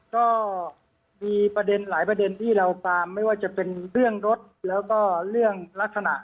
ก็มีประเด็นหลายประเด็นที่เราตามไม่ว่าจะเป็นเรื่องรถแล้วก็เรื่องลักษณะ